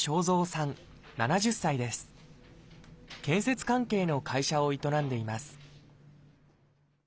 建設関係の会社を営んでいます